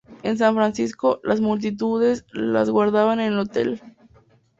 En San Francisco, las multitudes las aguardaban en el hotel St.